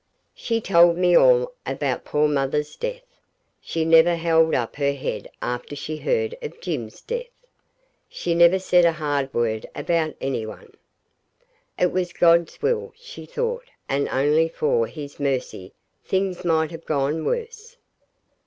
She told me all about poor mother's death. She never held up her head after she heard of Jim's death. She never said a hard word about any one. It was God's will, she thought, and only for His mercy things might have gone worse.